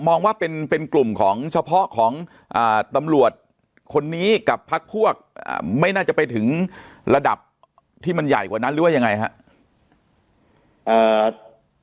มองว่าเป็นกลุ่มของเฉพาะของตำรวจคนนี้กับพักพวกไม่น่าจะไปถึงระดับที่มันใหญ่กว่านั้นหรือว่ายังไงครับ